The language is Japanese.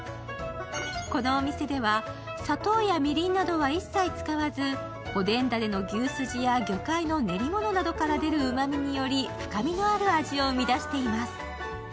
このお店では砂糖やみりんなどは一切使わず、おでんだねの牛すじや魚介の練り物などから出るうまみにより深みのある味を生み出しています。